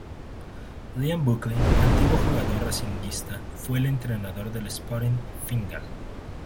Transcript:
Liam Buckley, antiguo jugador racinguista, fue el entrenador del Sporting Fingal.